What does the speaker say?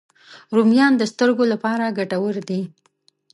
رومیان د سترګو لپاره ګټور دي